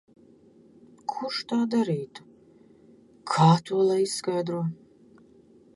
Kurš tā darītu? Kā to lai izskaidro?